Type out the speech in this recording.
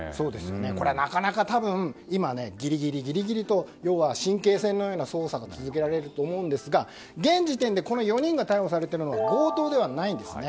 これ、なかなか多分今、ギリギリ、ギリギリと要は神経戦のような操作が続けられてると思うんですが現時点でこの４人が逮捕されているのは強盗じゃないんですね。